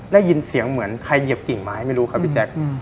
แล้วยืนเสียงเหมือนใครเหยียบกิ่งมาไม่รู้ครับอีจักร